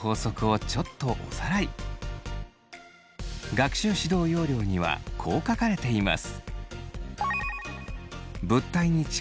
学習指導要領にはこう書かれています。